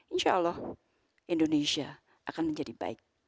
insya allah indonesia akan menjadi baik